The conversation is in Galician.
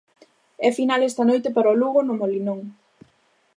E final esta noite para o Lugo no Molinón.